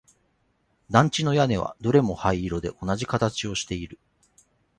団地の屋根はどれも灰色で同じ形をしている